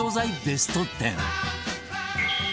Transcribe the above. ベスト１０